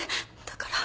だから。